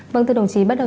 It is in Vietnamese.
vâng thưa đồng chí bắt đầu